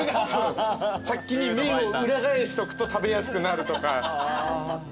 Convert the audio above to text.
先に麺を裏返しとくと食べやすくなるとか。